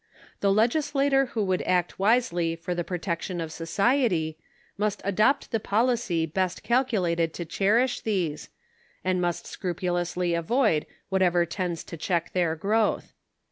The legislator who would act wisely for the protection of society, must adopt the policy best calculated to cherish these, and must scrupulously avoid whatever tends to check their growth.